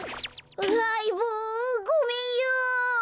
あいぼうごめんよ。